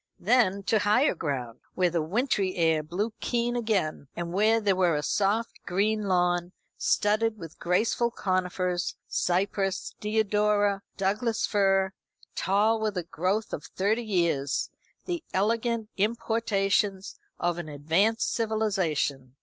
Then to higher ground, where the wintry air blew keen again, and where there was a soft green lawn, studded with graceful conifers cypress, deodora, Douglas fir tall with a growth of thirty years; the elegant importations of an advanced civilisation.